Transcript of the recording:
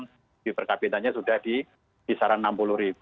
gdp per kapitanya sudah di pisaran rp enam puluh